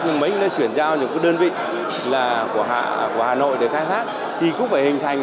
nhưng mấy người nó chuyển giao những đơn vị của hà nội để khai thác thì cũng phải hình thành